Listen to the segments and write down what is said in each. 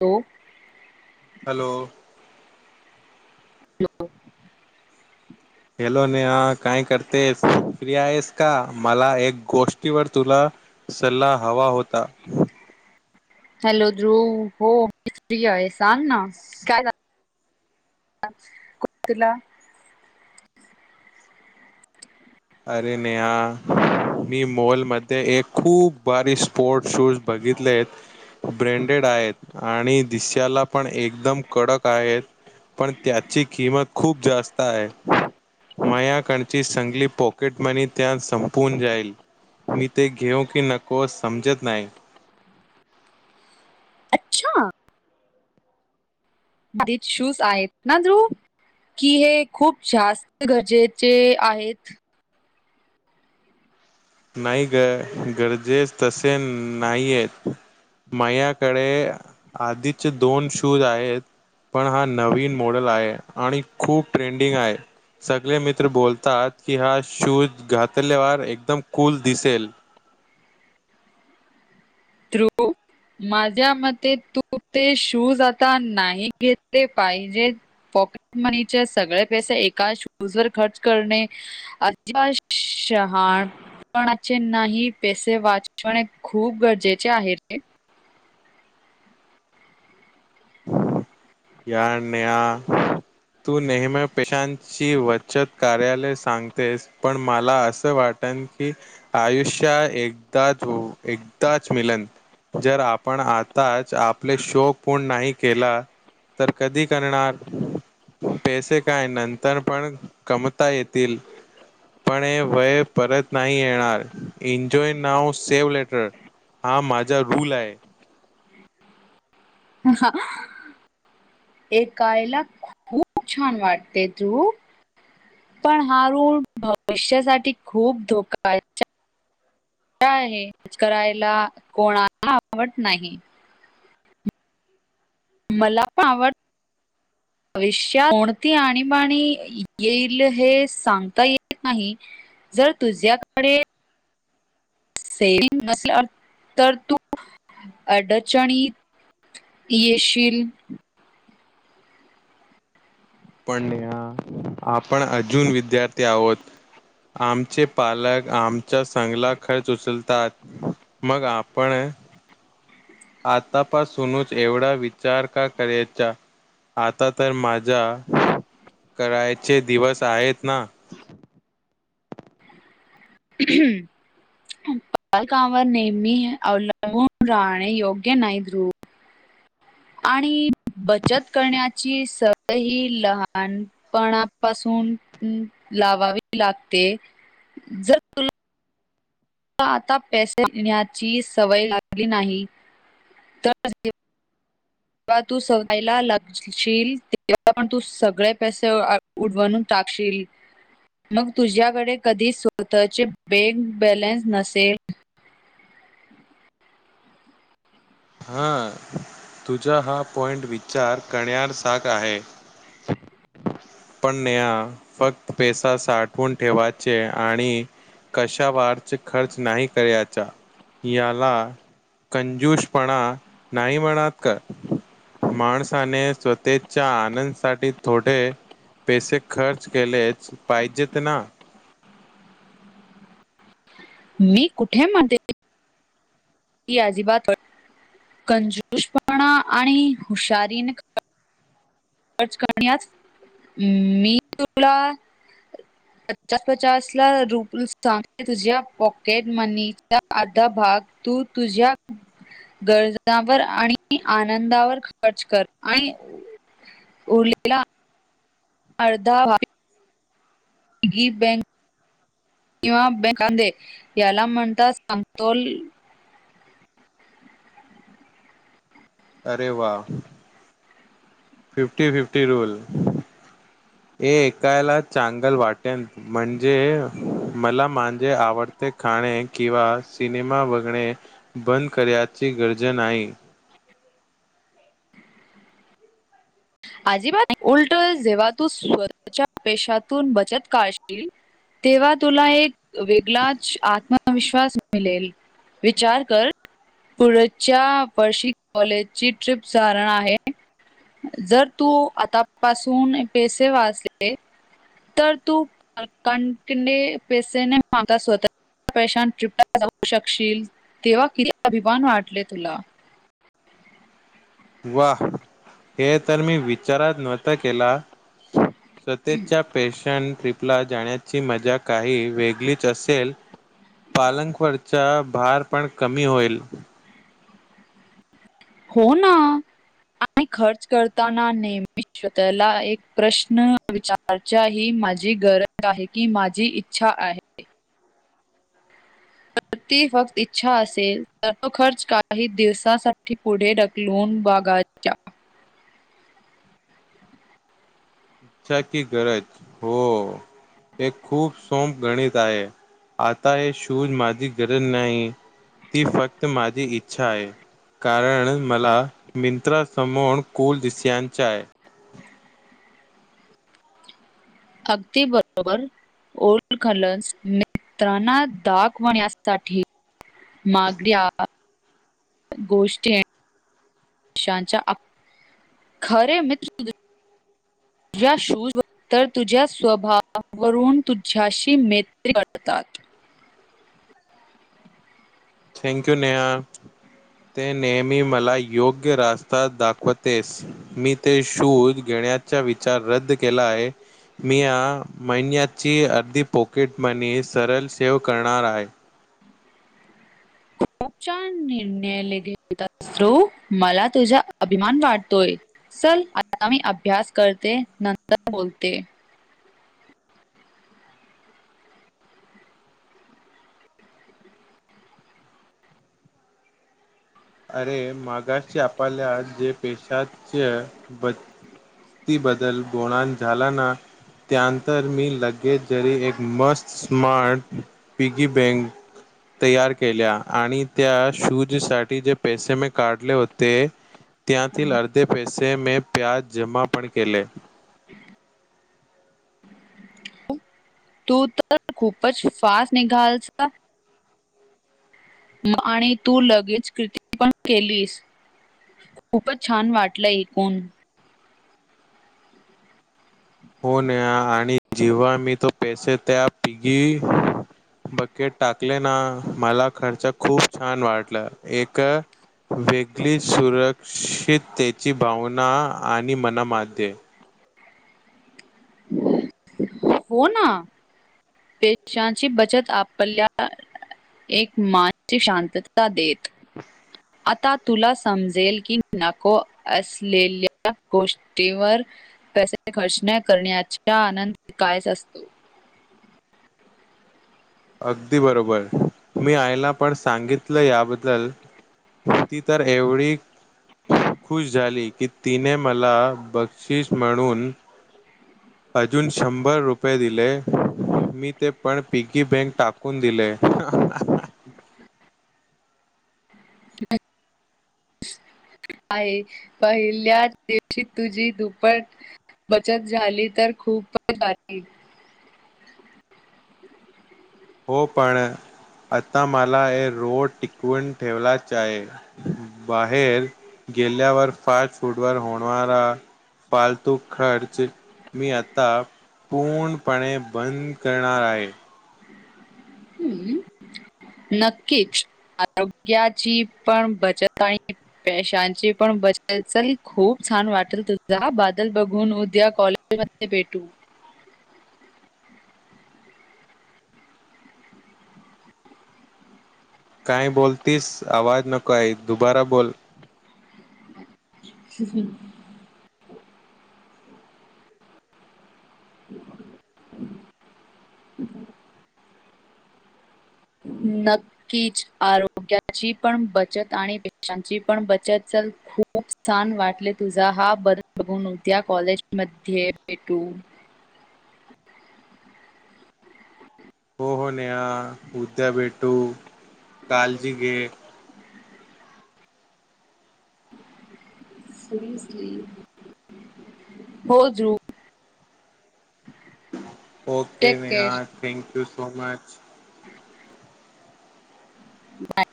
Hello hello ह hello Neha काय करतेस फ्री आहे आहेस का मला एक गोष्टीवर तुला सल्ला हवा होता हॅलो ध्रुव हो फ्री आहे सांग ना काय झा कुठला अरे नेहा मी मोॉलमध्ये एक खूप बारी स्पोर्ट शूज बघितले आहेत. ब्रँडेड आहेत आणि दिस्यालापण एकदम कडक आहेत. पण त्याची किंमत खूप जास्त आहे. मायाकणची संगली पोक टमनी त्यात संपून जाईल. मी ते घेऊ की नको, समजत नाही. अच्छा एक शूज आहेत ना ध्रुव, की हे खूप जास्त गरजेचे आहेत? नाही ग गरजेच तसे नाहीयेत. मायाकडे आधीचे दोन शूज आहेत, पण हा नवीन मॉडेल आहे आणि खूप ट्रेंडिंग आहे. सगळे मित्र बोलतात, की हा शूज घातल्यावर एकदम कुल दिसेल. ध्रुव माझ्या मते, तू ते शूज आता नाही घेतले पाहिजे. पॉकेटमनीचे सगळे पैसे एका शूजवर खर्च करणे अच्छा शहाणपणाचे नाही. पैसे वाचवणे खूप गरजे चे आहे रे. यार नेहा पण तू नेहमी पेशांची बचत कार्यालय सांगतेस. पण मला असं वाटन की आयुष्या एकदाच एकदाच मिलन. जर आपण आताच आपले शोक पूर्ण नाही केला तर कधी करणार? पैसे काय नंतर पण कमता येतील, पण हे वय परत नाही येणार. इनजॉय नाव सेव्ह लेटर, हा माझा रूल आहे. एकायला खूप छान वाटते ध्रुव, पण हा रूल भविष्यासाठी खूप धोका आहे. [inaudible] करायला कोणाला आवडत नाही. मलापण आवड [inaudible] भविष्यात कोणती आणीबाणी येईल हे सांगता येत नाही. जर तुझ्याकडे सेविंग नसल्यावर, तर तू अडचणीत येशील. पण नेहा आपण अजून विद्यार्थी आहोत. आमचे पालक आमच्या संगला खर्च उचलतात. मग आपण आतापासूनच एवढा विचार का करायचा? आता तर माझ्या करायचे दिवस आहेत ना. पालकांवर नेहमी अवलंबून राहणे योग्य नाही ध्रुव. आणि बचत करण्याची सवय ही लहानपणापासून लावावी लागते. जर तुला ला आता पैसे मगण्याची सवय लागली नाही, तर जेव्हा तू सवयला लागशील, तेव्हा तू सगळे पैसे उडवन टाकशील. मग तुझ्याकडे कधी स्वतःचे बेंक बॅलेन्स नसेल. हा तुझा हा पॉइंट विचार करण्या सारखं आहे. पण नेहा फक्त पैसा साठवून ठेवायचे आणि कशा वारच खर्च नाही कराचा, याला कंजूसपणा नाही म्हणत का? माणसाने स्वतेच्या आनंदसाठी थोडे पैसे खर्च केलेच पाहिजेत ना. मी कुठे म्हणते की अजिबात [unintelligible] कंजूसपणा आणि हुशारीनं [unintelligible] खर्च करण्यास मी तुला पचास पचासला रुप स्टार्ट तुझ्या पॉकेट मनीचा अधा भाग तू तुझ्या गरजावर आणि आनंदावर खर्च कर आणि उरलेला अर्ध भाग [unintelligible] ही बँक किंवा बेकांदे याला म्हणतात अमतोल अरे वा फिफ्टी फिफ्टी रूल, हे ऐकायला चांगलं वाटेल. म्हणजे मला माझे आवडते खाणे किंवा सिनेमा बघणे बंद करण्याची गरज नाही. अजिबात उलट जेव्हा तू स्वतःच्या पैशातून बचत काढशील, तेव्हा तुला एक वेगलाच आत्मविश्वास मिलेल. विचार कर पुढच्या वर्षी कॉलेजची ट्रिप सारण आहे. जर तू आतापासून पैसे वाचले, तर तू पालकांकडने पैसे ने मागता स्वतः पैशान ट्रीपला जाऊ शकशील. तेव्हा किती अभिमान वाटले तुला? वाह! हे तर मी विचारचं नव्हता केला. स्वतःच्या पैशान ट्रिप ला जाण्याची मजा काही वेगळीच असेल. पालंक वरचा भार पण कमी होईल. हो ना आणि खर्च करताना नेहमी स्वतःला एक प्रश्न विचारचे आहे ही माझी गरज आहे, की माझी इच्छा आहे? जर ती फक्त इच्छा असेल तर तो खर्च काही दिवसांसाठी पुढे ढकलून बघायचा. इच्छा की गरज हो हे खूप सोंप गणित आहे. आता हे शूज माझी गरज नाही, ती फक्त माझी इच्छा आहे. कारण मला मिंत्रासमोर कुल दिस्यांचा आहे. अगदी बरोबर ओलखलस. मित्रांना दाखवण्यासाठी महागड्या गोष्टी ज्यांच्या खरे मित्र तुझ्या शूजवरून तर तुझ्या स्वभावावरून तुझ्याशी मेत्री करतात. थँंकयू नेहा ते नेहमी मला योग्य रास्ता दाखवतेस. मी ते शूज घेण्याचा विचार रद्द केला आहे. मी या महिन्याची अर्धी पॉकेटमनी सरल सेव करणार आहे. खूप छान निर्णय [unintelligible] मला तुझा अभिमान वाटतोय. चल आता मी अभ्यास करते, नंतर बोलते. अरे मगाशी आपल्या जे पेशाच्या बती बद्दल गोणान झाला ना? त्यानंतर मी लगेच जरी एक मस्त स्मार्ट पिगी बँग तयार केल्या आणि त्या शूजसाठी जे पैसे मे काढले होते, त्यातील अर्धे पैसे मे ब्याज जमा पण केले. तू तर खूपच फास्ट निघालसा. म आणि तू लगेच किर्ती पण केलीस, खूपच छान वाटलं ऐकून. हो नेहा आ णि जेव्हा मी तो पैसे त्या पिघी बकेट टाकले ना मला खर्च खूप छान वाटलं. एक वेगळी सुरक्षित त्याची भावना आणि मनामध्ये. हो ना पैशांची बचत आपल्या एक मानसि शांतता देत. [inaudible] आता तुला समजेल की नको असलेल्या गोष्टीवर पैसे खर्च न करण्याच्या आनंद कायच असतो. अगदी बरोबर. मी आयला पण सांगितलं याबद्दल ती तर एवढी खुश झाली की तिने मला बक्षिस म्हणून अजून शंभर रुपये दिले मी ते पण पिकी बँक टाकून दिले. आहे. पहिल्याच दिवशी तुझी दुप्पट बचत झाली तर खूप [unintelligible] हो. पण आता मला ए रोड टिकवून ठेवल्याच आहे बाहेर गेल्यावर फास्ट फूडवर होणारा पालतू खर्च मी आता पूर्णपणे बंद करणार आहे. हम्म नक्कीच आरोग्याची पण बचत आणि पैशांची पण बचत असल खूप छान वाटेल तुझा बादल बघून उद्या कॉलेज मध्ये भेटू. काय बोलतीस आवाज नको आहे?, दुबारा बोल. ह. ह. [unintelligible] नक्कीच आरोग्याची पण बचत, आणि पैशांची पण बचत, चल खूप छान वाटले तुझा हा बदल बघून, उद्या कॉलेज मध्ये भेटू. हो हो नेहा उद्या भेटू कालजी घे. हो घेऊ. Okay care Meena. Thank you so much. Bye.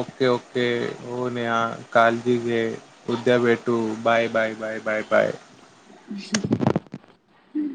Okay, okay. हो. नेहा कालजी घे. उद्या भेटू, bye bye. Bye, bye, bye. हम्म.